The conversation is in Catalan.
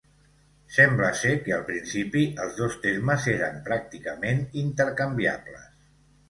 Sembla ser que al principi, els dos termes eren pràcticament intercanviables.